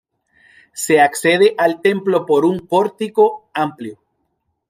Se accede al templo por un pórtico amplio.